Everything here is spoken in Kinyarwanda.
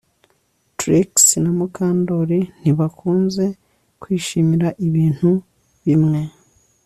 Trix na Mukandoli ntibakunze kwishimira ibintu bimwe